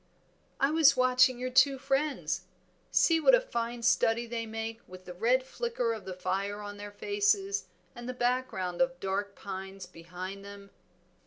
"I was watching your two friends. See what a fine study they make with the red flicker of the fire on their faces and the background of dark pines behind them."